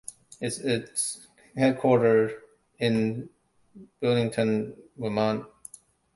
It is headquartered in Burlington, Vermont.